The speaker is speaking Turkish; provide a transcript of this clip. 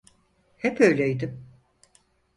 Hep öyleydim.